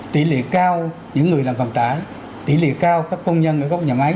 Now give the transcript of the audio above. tỷ lệ cao những người làm vận tải tỷ lệ cao các công nhân ở các nhà máy